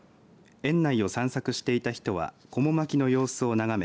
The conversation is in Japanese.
園内を散策していた人はこも巻きの様子を眺め